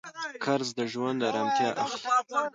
قرض د ژوند ارامتیا اخلي.